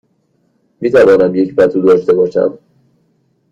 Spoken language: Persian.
می توانم یک پتو داشته باشم؟